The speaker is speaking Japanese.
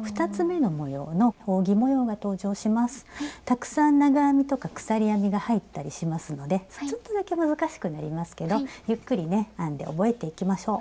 たくさん長編みとか鎖編みが入ったりしますのでちょっとだけ難しくなりますけどゆっくりね編んで覚えていきましょう。